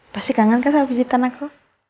pasti kangen kan sama visitan aku